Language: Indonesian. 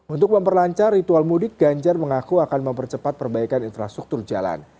untuk memperlancar ritual mudik ganjar mengaku akan mempercepat perbaikan infrastruktur jalan